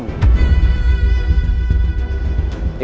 adalah sewajarnya sebagai seorang suami